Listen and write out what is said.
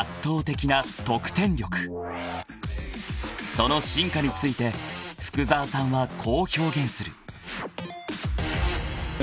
［その進化について福澤さんはこう表現する］